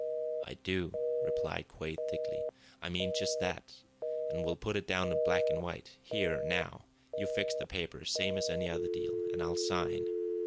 "I do," replied Quade thickly. "I mean just that! And we'll put it down in black an' white here, now. You fix the papers, same as any other deal, and I'll sign!"